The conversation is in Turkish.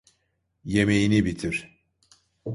Yemeğini bitir.